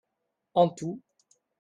En tout.